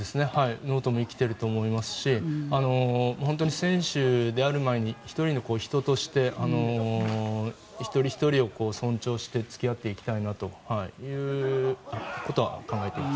ノートも生きていると思いますし選手である前に１人の人として一人ひとりを尊重して付き合っていきたいなということは考えています。